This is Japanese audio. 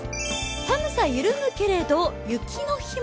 寒さ緩むけれど、雪の日も？